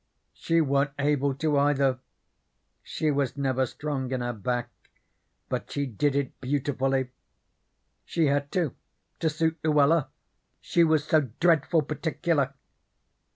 She wa'n't able to, either; she was never strong in her back, but she did it beautifully. She had to, to suit Luella, she was so dreadful particular.